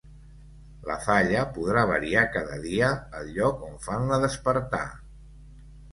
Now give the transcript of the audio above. La falla podrà variar cada dia el lloc on fan la despertà.